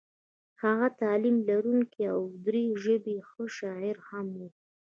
هغه تعلیم لرونکی او د دري ژبې ښه شاعر هم و.